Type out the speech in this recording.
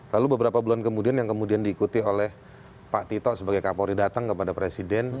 lalu beberapa bulan kemudian yang kemudian diikuti oleh pak tito sebagai kapolri datang kepada presiden